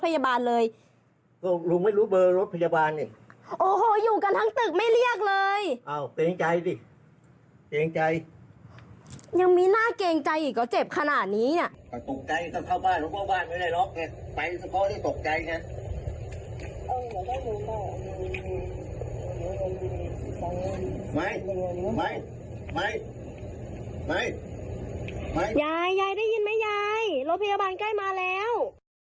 ยายยายได้ยินไหมยายโรคพยาบาลใกล้มาแล้ว